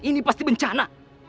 ini pasti bencana